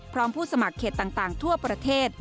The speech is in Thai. ผู้สมัครเขตต่างทั่วประเทศ